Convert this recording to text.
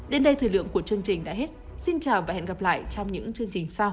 đến đây thời lượng của chương trình đã hết xin chào và hẹn gặp lại trong những chương trình sau